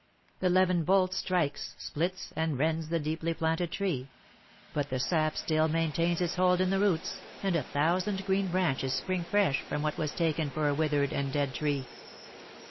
The levin bolt strikes, splits, and rends the deeply planted tree; but the sap still maintains its hold in the roots, and a thousand green branches spring fresh from what was taken for a withered and dead tree.